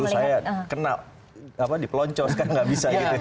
dulu saya kena di peloncos kan enggak bisa